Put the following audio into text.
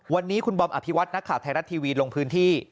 วันนี้คุณบอมอภิวัตนักข่าวไทยรัฐทีวีลงพื้นที่